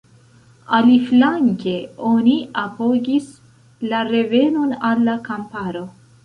Aliflanke oni apogis “la revenon al la kamparo”.